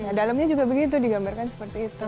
nah dalamnya juga begitu digambarkan seperti itu